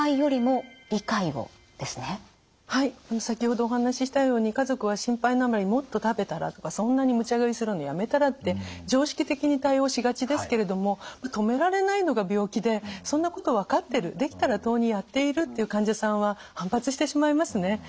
先ほどお話ししたように家族は心配のあまり「もっと食べたら」とか「そんなにむちゃ食いするのやめたら」って常識的に対応しがちですけれども止められないのが病気でそんなこと分かってるできたらとうにやっているっていう患者さんは反発してしまいますね。